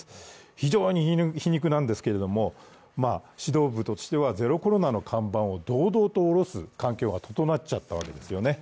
非常に皮肉なんですけれども、指導部としてはゼロコロナの看板を堂々と下ろす環境が整ってしまったわけですよね。